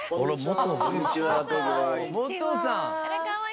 「モトさん」